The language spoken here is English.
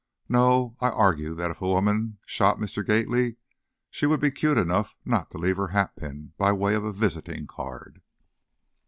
No, I argue that if a woman shot Mr. Gately she would be cute enough not to leave her hatpin by way of a visitin' card."